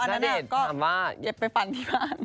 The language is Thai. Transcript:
นั่นน่ะก็เก็บไปฝันที่บ้าน